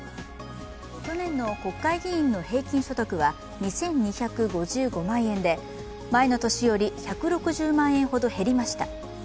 去年の国会議員の平均所得は２２５５万円で、前の年より１６０万円ほど減りました